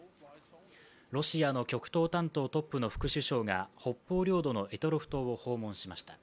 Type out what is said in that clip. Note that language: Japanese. ロシアの極東担当トップの副首相が北方領土の択捉島を訪問しました。